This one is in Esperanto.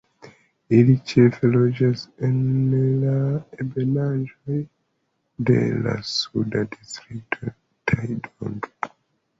Ili ĉefe loĝas en la ebenaĵoj de la suda distrikto Taidong.